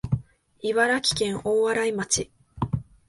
茨城県大洗町